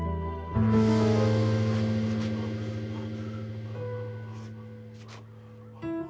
bukan dia pencuri yang kalian maksud